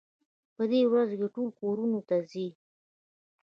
په دې ورځو کې ټول کورونو ته ځي.